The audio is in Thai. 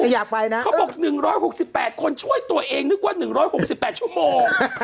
อยากไปนะเขาบอก๑๖๘คนช่วยตัวเองนึกว่า๑๖๘ชั่วโมง